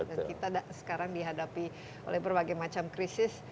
dan kita sekarang dihadapi oleh berbagai macam krisis